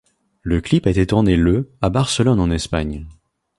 Le clip a été tourné le à Barcelone en Espagne.